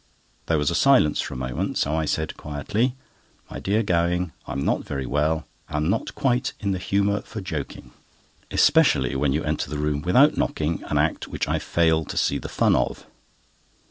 There was a silence for a moment, so I said quietly: "My dear Gowing, I'm not very well, and not quite in the humour for joking; especially when you enter the room without knocking, an act which I fail to see the fun of."